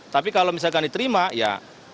tapi kalau misalkan diterima ya